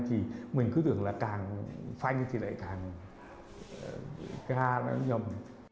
thì mình cứ tưởng là càng phanh thì lại càng ga nó nhầm